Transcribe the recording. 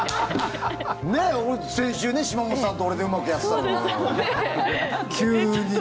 先週ね、島本さんと俺でうまくやってたのに。